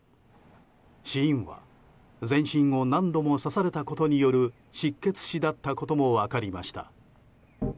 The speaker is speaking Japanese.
死因は全身を何度も刺されたことによる失血死だったことも分かりました。